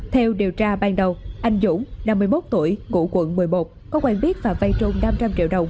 theo điều tra ban đầu anh dũng năm mươi một tuổi ngụ quận một mươi một có quang biết và vây trung năm trăm linh triệu đồng